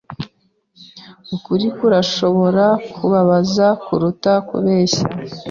Ukuri kurashobora kubabaza kuruta kubeshya.